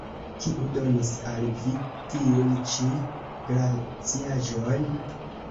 Kiu donis al vi tiun ĉi glaciaĵon?